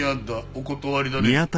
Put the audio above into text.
お断りだね。